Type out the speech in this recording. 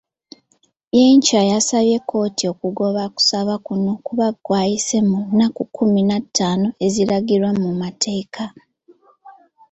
Byenkya asabye kkooti okugoba okusaba kuno kuba kwayise mu nnaku kkumi na ttaano eziragirwa mu mateeka.